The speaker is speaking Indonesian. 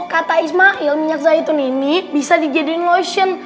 kata ismail minyak zaitun ini bisa dijadikan lotion